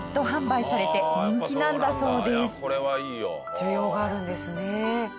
需要があるんですね。